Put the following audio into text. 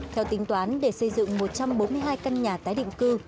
theo tính toán để xây dựng một trăm bốn mươi hai căn nhà tái định cư